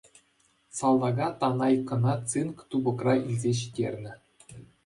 Салтака Танайкӑна цинк тупӑкра илсе ҫитернӗ.